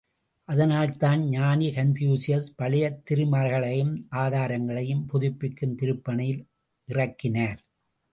அதனால்தான் ஞானி கன்பூசியஸ், பழைய திருமறைகளையும், ஆதாரங்களையும் பதிப்பிக்கும் திருப்பணியில் இறக்கினார்.